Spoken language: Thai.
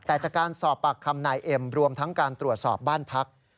แต่จากการสอบปากคำนายเอ็มรวมทั้งการตรวจสอบบ้านพัก